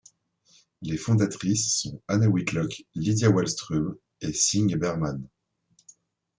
Les fondatrices sont Anna Whitlock, Lydia Wahlström et Signe Bergman.